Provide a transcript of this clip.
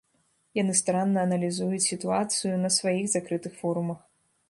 Яны старанна аналізуюць сітуацыю на сваіх закрытых форумах.